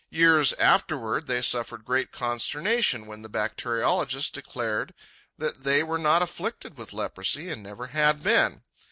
Years afterward they suffered great consternation when the bacteriologists declared that they were not afflicted with leprosy and never had been.